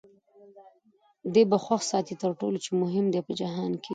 دی به خوښ ساتې تر ټولو چي مهم دی په جهان کي